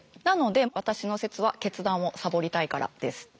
なので私の説は「決断をサボりたいから」です。